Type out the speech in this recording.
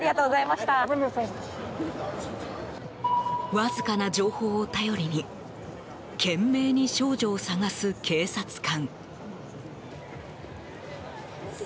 わずかな情報を頼りに懸命に少女を捜す警察官。